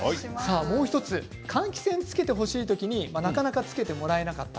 もう１つ、換気扇をつけてほしい時になかなかつけてもらえなかった。